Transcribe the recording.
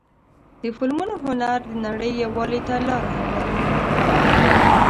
د فلمونو هنر د نړۍ یووالي ته لاره هواروي.